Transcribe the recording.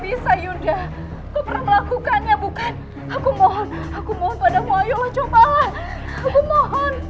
bukannya bukan aku mohon aku mohon padamu ayolah cobalah aku mohon